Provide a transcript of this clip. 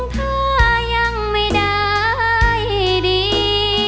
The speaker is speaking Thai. ถ้ายังไม่ได้ดี